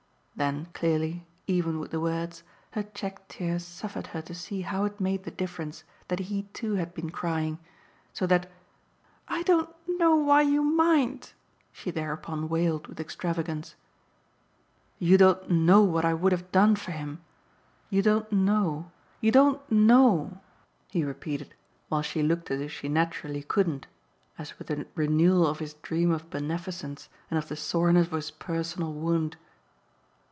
Then clearly, even with the words, her checked tears suffered her to see how it made the difference that he too had been crying; so that "I don't know why you mind!" she thereupon wailed with extravagance. "You don't know what I would have done for him. You don't know, you don't know!" he repeated while she looked as if she naturally couldn't as with a renewal of his dream of beneficence and of the soreness of his personal wound.